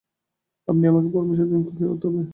আপনি আমাকে পরামর্শ দিন কী করতে হবে।